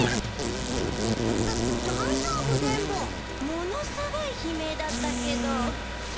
ものすごい悲鳴だったけど。